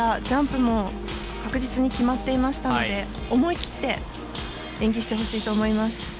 ジャンプも確実に決まっていましたので思い切って演技してほしいと思います。